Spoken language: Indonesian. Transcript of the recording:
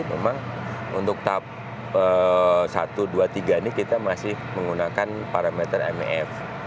memang untuk tahap satu dua tiga ini kita masih menggunakan parameter mef